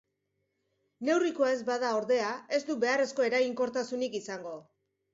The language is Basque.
Neurrikoa ez bada, ordea, ez du beharrezko eraginkortasunik izango.